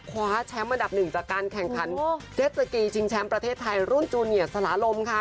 คว้าแชมป์อันดับหนึ่งจากการแข่งขันเจ็ดสกีชิงแชมป์ประเทศไทยรุ่นจูเนียสลาลมค่ะ